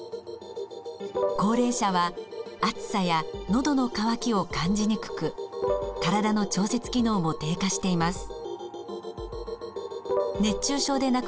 高齢者は暑さやのどの渇きを感じにくく体の調節機能も低下しています。